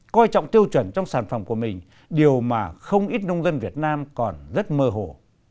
coi trọng tiêu chuẩn trong sản phẩm của mình điều mà không ít nông dân việt nam còn rất mơ hồ